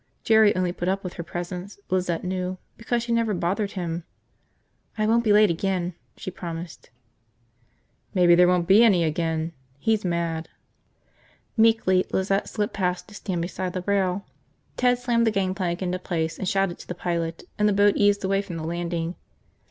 Jerry only put up with her presence, Lizette knew, because she never bothered him. "I won't be late again," she promised. "Maybe there won't be any again. He's mad." Meekly Lizette slipped past to stand beside the rail. Ted slammed the gangplank into place and shouted to the pilot, and the boat eased away from the landing.